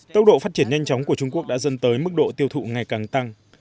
tốc độ phát triển nhanh chóng của trung quốc đã dân tới mức độ tiêu thụ ngày càng tăng